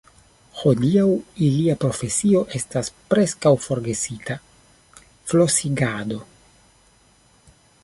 Hodiaŭ ilia profesio estas preskaŭ forgesita: flosigado.